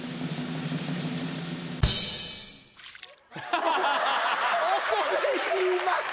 ハハハハ恐れ入ります